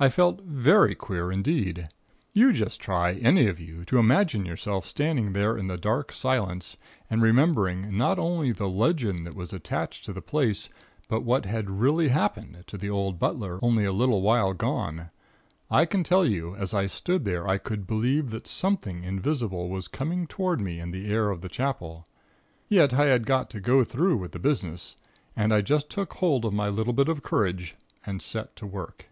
I felt very queer indeed. You just try, any of you, to imagine yourself standing there in the dark silence and remembering not only the legend that was attached to the place, but what had really happened to the old butler only a little while gone, I can tell you, as I stood there, I could believe that something invisible was coming toward me in the air of the Chapel. Yet, I had got to go through with the business, and I just took hold of my little bit of courage and set to work.